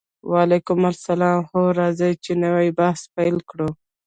وعلیکم السلام هو راځئ چې نوی بحث پیل کړو